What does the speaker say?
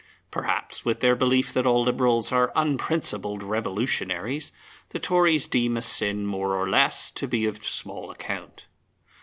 Perhaps, with their belief that all Liberals are unprincipled revolutionaries, the Tories deem a sin more or less to be of small account.